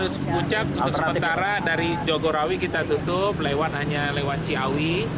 untuk sementara dari jogorawi kita tutup hanya lewat ciawi